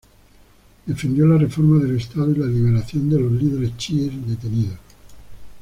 Defendió la reforma del estado y la liberación de los líderes chiíes detenidos.